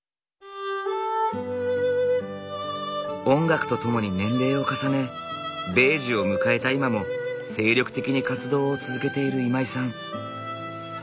音楽と共に年齢を重ね米寿を迎えた今も精力的に活動を続けている今井さん。